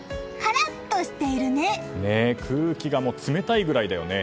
空気が冷たいぐらいだよね。